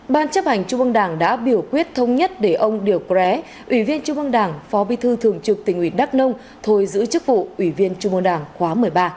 ban chấp hành trung mương đảng đã biểu quyết thông nhất để ông điều cré ủy viên trung mương đảng phó bí thư thường trực tỉnh ủy đắc nông thôi giữ chức vụ ủy viên trung mương đảng khóa một mươi ba